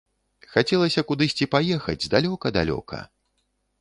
Хацелася кудысьці паехаць далёка-далёка.